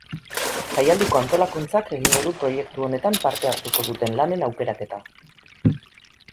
Jaialdiko antolakuntzat egingo du proiektu honetan parte hartuko duten lanen aukeraketa.